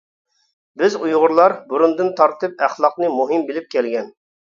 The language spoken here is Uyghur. بىز ئۇيغۇرلار بۇرۇندىن تارتىپ ئەخلاقنى مۇھىم بىلىپ كەلگەن.